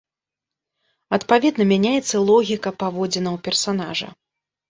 Адпаведна, мяняецца логіка паводзінаў персанажа.